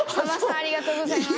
ありがとうございます。